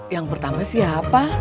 yang pertama siapa